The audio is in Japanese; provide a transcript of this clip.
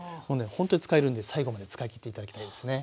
ほんとに使えるんで最後まで使いきって頂きたいですね。